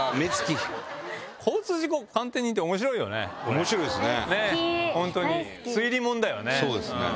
面白いですね。